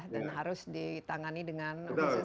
dan harus ditangani dengan khusus